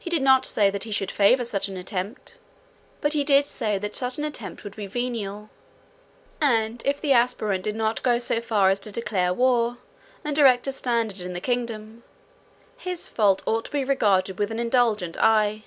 He did not say that he should favour such an attempt; but he did say that such an attempt would be venial; and, if the aspirant did not go so far as to declare war, and erect a standard in the kingdom, his fault ought to be regarded with an indulgent eye.